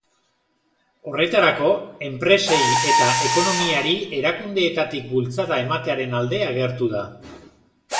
Horretarako, enpresei eta ekonomiari erakundeetatik bultzada ematearen alde agertu da.